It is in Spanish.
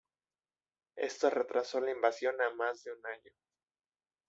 Esto retrasó la invasión a más de un año.